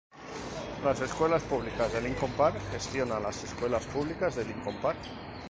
Las Escuelas Públicas de Lincoln Park gestiona las escuelas públicas de Lincoln Park.